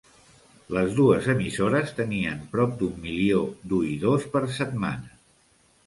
Les dues emissores tenien prop d'un milió d'oïdors per setmana.